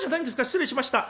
失礼しました。